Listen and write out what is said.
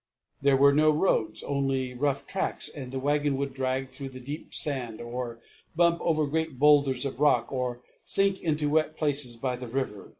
There were no roads, only rough tracks, and the wagon would drag through the deep sand, or bump over great boulders of rock, or sink into wet places by the river.